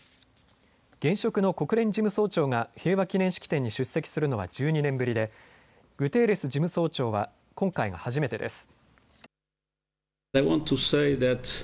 現職の国連事務総長が平和記念式典に出席するのは１２年ぶりでグテーレス事務総長は今回が初めてです。